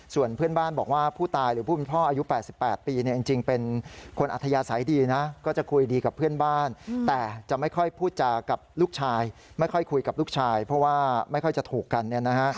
ส่วนเพื่อนบ้านบอกว่าผู้ตายหรือผู้มีพ่ออายุ๘๘ปี